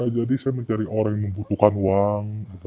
jadi saya mencari orang yang membutuhkan uang